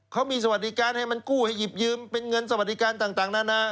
เขามีสวัสดิการให้มันกู้ให้หยิบยืมเป็นเงินสวัสดิการต่างนานา